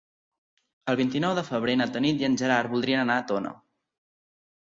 El vint-i-nou de febrer na Tanit i en Gerard voldrien anar a Tona.